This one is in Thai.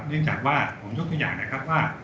เนื่องจากว่าผมยกตัวอย่างนะครับว่า